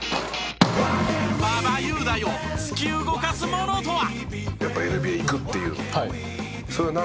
馬場雄大を突き動かすものとは？